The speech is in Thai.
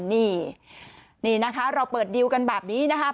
นี่เราเปิดดิวกันแบบนี้นะครับ